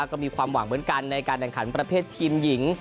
ก็มีความหวังเหมือนกันในการแข่งขันประเภททีมหญิง